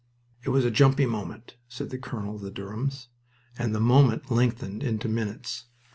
"It was a jumpy moment," said the colonel of the Durhams, and the moment lengthened into minutes.